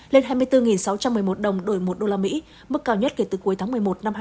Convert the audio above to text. lên hai mươi bốn sáu trăm một mươi một đồng đổi một usd mức cao nhất kể từ cuối tháng một mươi một năm hai nghìn hai mươi ba